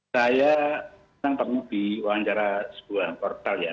saya pernah diwawancara sebuah portal ya